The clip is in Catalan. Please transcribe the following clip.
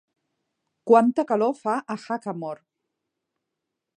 Quanta calor fa a Hackamore